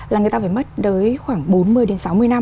là người ta phải mất tới khoảng bốn mươi đến sáu mươi năm